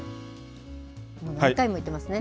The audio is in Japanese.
もう何回も行ってますね。